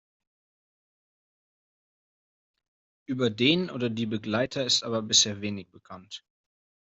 Über den oder die Begleiter ist aber bisher wenig bekannt.